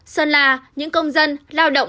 sơn la những công dân lao động